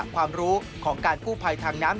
ความรู้ของการกู้ภัยทางน้ำ